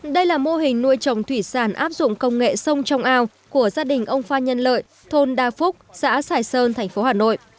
đây là mô hình nuôi trồng thủy sản áp dụng công nghệ sông trong ao của gia đình ông phan nhân lợi thôn đa phúc xã sài sơn tp hà nội